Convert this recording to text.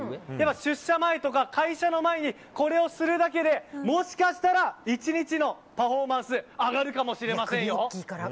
出社前とか会社の前にこれをするだけでもしかしたら１日のパフォーマンス上がるかもしれませんよ！